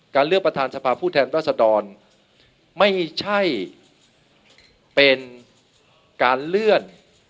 เลือกประธานสภาพผู้แทนรัศดรไม่ใช่เป็นการเลื่อน